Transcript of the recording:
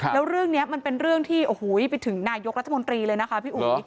แล้วเรื่องนี้มันเป็นเรื่องที่โอ้โหไปถึงนายกรัฐมนตรีเลยนะคะพี่อุ๋ย